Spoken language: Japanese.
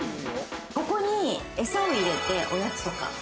ここに餌を入れて、おやつとか。